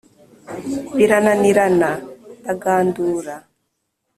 birananirana ndagandura.